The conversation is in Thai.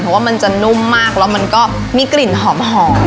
เพราะว่ามันจะนุ่มมากแล้วมันก็มีกลิ่นหอม